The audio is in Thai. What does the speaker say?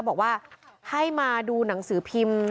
บอกว่าให้มาดูหนังสือพิมพ์